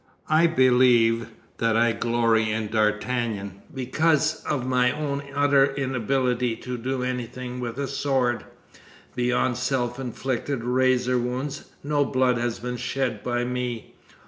I believe that I glory in D'Artagnan because of my own utter inability to do anything with a sword. Beyond self inflicted razor wounds, no blood has been shed by me.